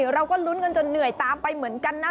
เราก็ลุ้นกันจนเหนื่อยตามไปเหมือนกันนะ